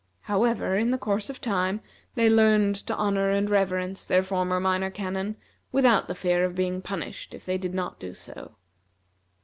However, in the course of time, they learned to honor and reverence their former Minor Canon without the fear of being punished if they did not do so.